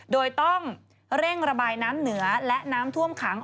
โดยต้องเร่งระบายน้ำเหนือและน้ำท่วมขัง